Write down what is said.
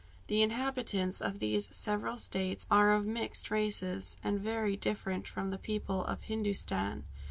The inhabitants of these several states are of mixed races, and very different from the people of Hindostan.